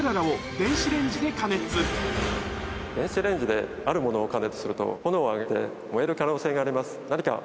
電子レンジであるものを加熱すると、炎を上げて燃える可能性があります。